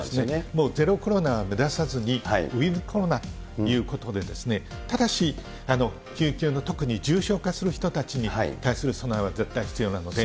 もうゼロコロナを目指さずに、ウィズコロナということで、ただし、救急の特に重症化する人たちに対する備えは絶対必要なので。